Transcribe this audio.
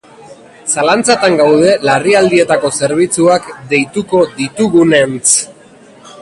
Zalantzatan gaude larrialdietako zerbitzuak deituko ditugunentz.